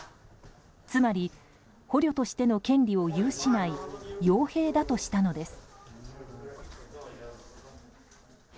つまり捕虜としての権利を有しない傭兵だとしたのです。